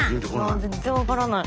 全然分からない。